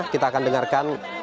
kita akan dengarkan